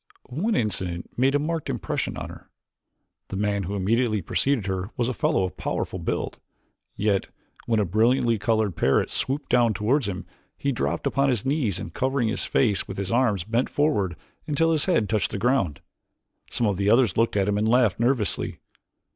One incident made a marked impression on her. The man who immediately preceded her was a fellow of powerful build, yet, when a brilliantly colored parrot swooped downward toward him, he dropped upon his knees and covering his face with his arms bent forward until his head touched the ground. Some of the others looked at him and laughed nervously.